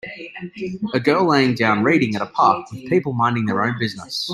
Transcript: A girl laying down reading at a park with people minding their own business.